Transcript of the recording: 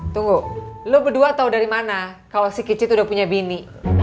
tunggu lo berdua tau dari mana si kicit udah punya bini